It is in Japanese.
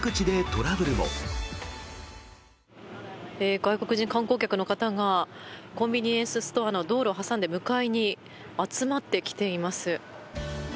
外国人観光客の方がコンビニエンスストアの道路を挟んで向かいに集まってきています。